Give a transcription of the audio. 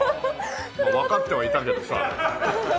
わかってはいたけどさ。